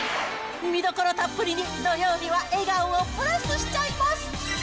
見どころたっぷりに、土曜日は笑顔をプラスしちゃいます。